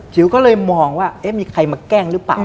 จิ๋วก็เลยมองว่าเอ๊ะมีใครมาแกล้งหรือเปล่า